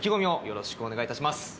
よろしくお願いします。